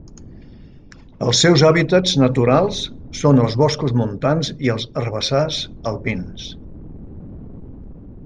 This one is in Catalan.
Els seus hàbitats naturals són els boscos montans i els herbassars alpins.